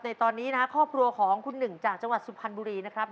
ในตอนนี้นะครับครอบครัวของคุณหนึ่งจากจังหวัดสุพรรณบุรีนะครับ